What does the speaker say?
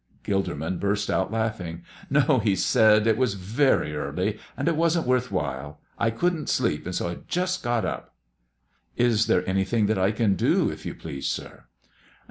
Gilderman burst out laughing. "No," he said, "it was very early, and it wasn't worth while. I couldn't sleep, and so I just got up." "Is there anything that I can do, if you please, sir?"